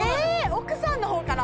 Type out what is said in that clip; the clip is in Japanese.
奥さんの方から？